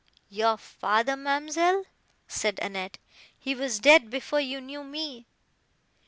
"Your father, ma'amselle!" said Annette, "he was dead before you knew me."